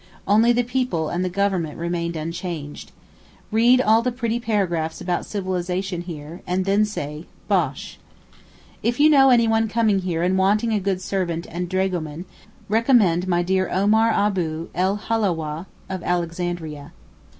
Only the people and the Government remain unchanged. Read all the pretty paragraphs about civilisation here, and then say, Bosh! If you know anyone coming here and wanting a good servant and dragoman, recommend my dear Omar Abou el Haláweh of Alexandria.